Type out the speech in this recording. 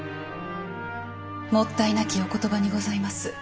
もったいなきお言葉にございます。